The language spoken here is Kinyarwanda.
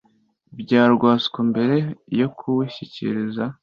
Bya rwasco mbere yo kuwushyikiriza